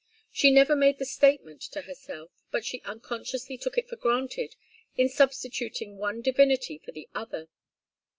She never made the statement to herself, but she unconsciously took it for granted in substituting one divinity for the other.